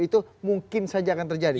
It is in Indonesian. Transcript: itu mungkin saja akan terjadi